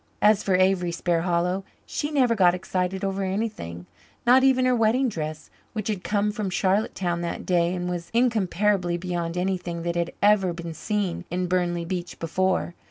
As for Avery Sparhallow, she never got excited over anything not even her wedding dress, which had come from Charlottetown that day, and was incomparably beyond anything that had ever been seen in Burnley Beach before.